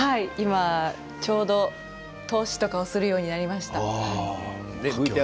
ちょうど通しとかするようになりました。